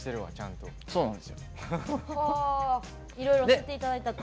いろいろ教えていただいたと。